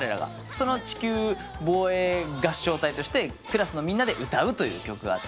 その地球防衛合唱隊としてクラスのみんなで歌う曲があって。